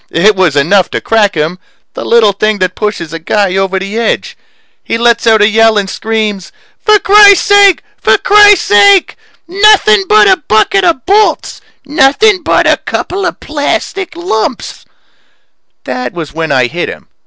It was enough to crack him the little thing that pushes a guy over the edge. He lets out a yell and screams, "For crisake! For crisake! Nothing but a bucket of bolts! Nothing but a couple of plastic lumps " That was when I hit him.